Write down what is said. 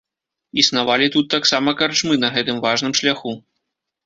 Існавалі тут таксама карчмы на гэтым важным шляху.